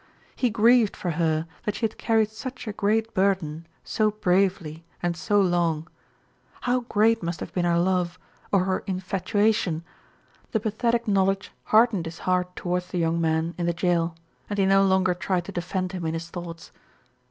He grieved for her that she had carried such a great burden so bravely and so long. How great must have been her love, or her infatuation! The pathetic knowledge hardened his heart toward the young man in the jail, and he no longer tried to defend him in his thoughts.